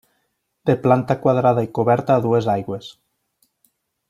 De planta quadrada i coberta a dues aigües.